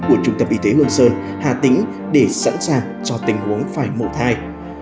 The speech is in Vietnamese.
của trung tâm y tế hương sơn hà tĩnh để sẵn sàng cho tình huống phải mổ thai